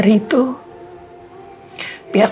pihak pihak tante terlambat